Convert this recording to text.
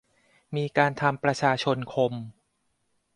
มีการทำประชาชนคม